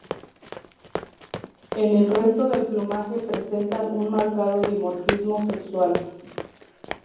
En el resto del plumaje presentan un marcado dimorfismo sexual.